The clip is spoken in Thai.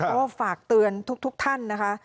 ก็ฝากเตือนทุกท่านนะคะ